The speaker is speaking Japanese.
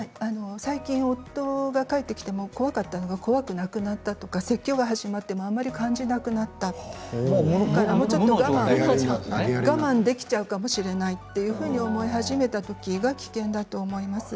最近、夫が帰ってきても怖かったんですが怖くなくなった説教も何も感じなくなったとか我慢できちゃうかもしれないというふうに思い始めた時が危険だと思います。